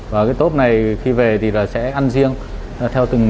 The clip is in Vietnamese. và cái tốp này khi về thì sẽ ăn riêng